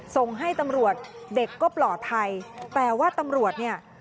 ส่งให้ตำรวจเด็กก็ปลอดภัยแต่ว่าตำรวจเนี่ย